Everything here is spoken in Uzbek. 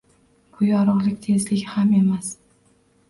Bu yorug‘lik tezligi ham emas.